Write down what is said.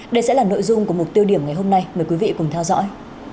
đây sẽ là nội dung của mục tiêu điểm ngày hôm nay mời quý vị cùng theo dõi